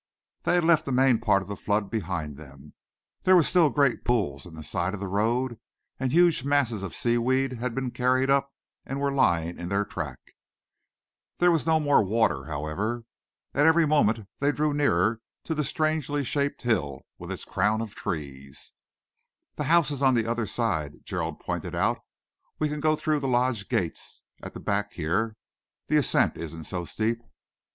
They had left the main part of the flood behind them. There were still great pools in the side of the road, and huge masses of seaweed had been carried up and were lying in their track. There was no more water, however. At every moment they drew nearer to the strangely shaped hill with its crown of trees. "The house is on the other side," Gerald pointed out. "We can go through the lodge gates at the back here. The ascent isn't so steep."